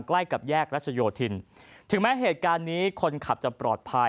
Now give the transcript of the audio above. ใกล้กับแยกรัชโยธินถึงแม้เหตุการณ์นี้คนขับจะปลอดภัย